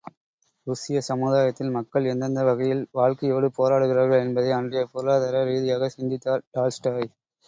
ருஷ்ய சமுதாயத்தில் மக்கள் எந்தெந்த வகையில் வாழ்க்கையோடு போராடுகிறார்கள் என்பதை அன்றைய பொருளாதார ரீதியாகச் சிந்தித்தார் டால்ஸ்டாய்.